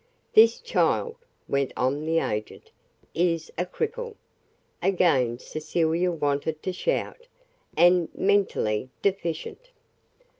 "This child," went on the agent, "is a cripple" again Cecilia wanted to shout "and mentally deficient."